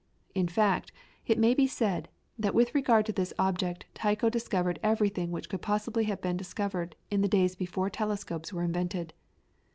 In fact, it may be said, that with regard to this object Tycho discovered everything which could possibly have been discovered in the days before telescopes were invented.